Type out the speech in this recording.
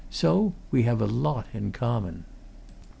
So we have a lot in common."